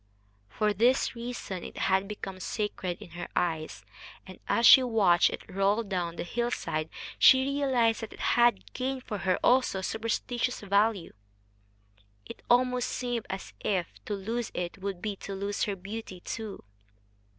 For this reason it had become sacred in her eyes, and, as she watched it roll down the hillside, she realized that it had gained for her also a superstitious value. It almost seemed as if to lose it would be to lose her beauty too.